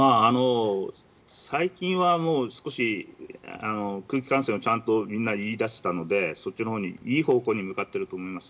最近は少し空気感染をみんな言い出したのでそっちのいい方向に向かっていると思います。